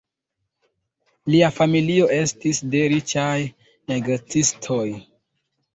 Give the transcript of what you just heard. Lia familio estis de riĉaj negocistoj.